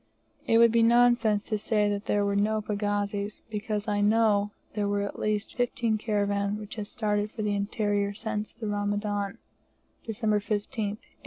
It would be nonsense to say there were no pagazis; because I know there were at least fifteen caravans which had started for the interior since the Ramadan (December 15th, 1870).